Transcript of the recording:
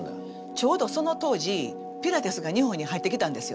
ちょうどその当時ピラティスが日本に入ってきたんですよ。